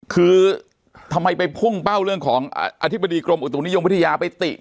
คือทำไมไปพุ่งเป้าเรื่องของอธิบดีกรมอุตุนิยมวิทยาไปติ